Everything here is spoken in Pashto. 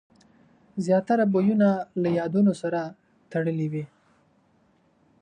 زیاتره بویونه له یادونو سره تړلي وي.